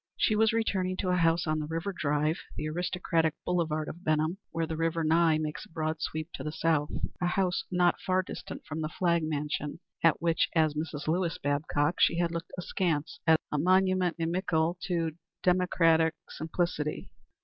She was returning to a house on the River Drive (the aristocratic boulevard of Benham, where the river Nye makes a broad sweep to the south); a house not far distant from the Flagg mansion at which, as Mrs. Lewis Babcock, she had looked askance as a monument inimical to democratic simplicity.